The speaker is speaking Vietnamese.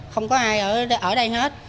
không có ai ở đây hết